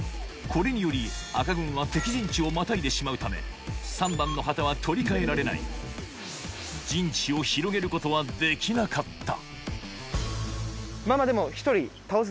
これにより赤軍は敵陣地をまたいでしまうため３番の旗は取り換えられない陣地を広げることはできなかったまぁまぁでも。